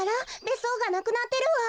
べっそうがなくなってるわ。